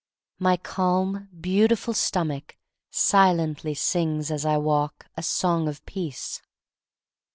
My calm, beautiful stomach silently sings, as I walk, a song of peace.